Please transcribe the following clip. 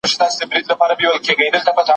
پر لړمون مي چړې گرځي زړه مي شين دئ